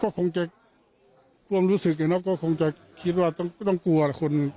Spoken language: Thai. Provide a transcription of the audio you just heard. ก็คงจะกลวงรู้สึกอยู่เนอะก็คงจะคิดว่าต้องกลัวคน